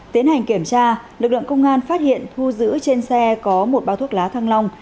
tiến hành kiểm tra lực lượng công an phát hiện thu giữ trên xe có một bao thuốc lá thăng long